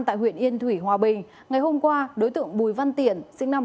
tại huyện yên thủy hòa bình ngày hôm qua đối tượng bùi văn tiển